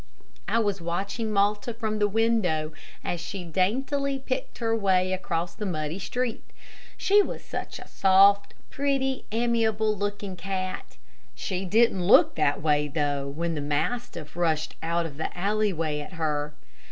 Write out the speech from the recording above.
I was watching Malta from the window, as she daintily picked her way across the muddy street. She was such a soft, pretty, amiable looking cat. She didn't look that way, though, when the mastiff rushed out of the alleyway at her.